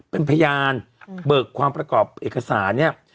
เป็นพยานเบิกความประกอบเอกสารเนี่ย